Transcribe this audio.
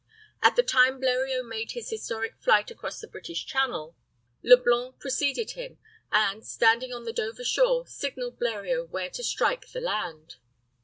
At the time Bleriot made his historic flight across the British Channel, Leblanc preceded him, and, standing on the Dover shore, signalled Bleriot where to strike the land.